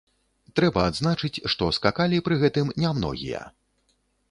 Трэба адзначыць, што скакалі пры гэтым не многія.